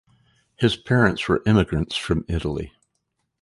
His parents were immigrants from Italy.